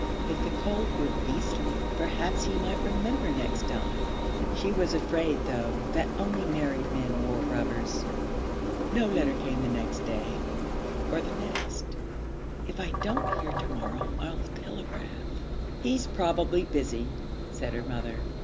If the cold were 'beastly,' perhaps he might remember next time. She was afraid though that only married men wore rubbers. No letter came the next day, or the next. 'If I don't hear to morrow, I'll telegraph.' 'He's probably busy,' said her mother.